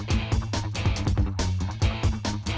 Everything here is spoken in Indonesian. tidak ada yang bisa dikunci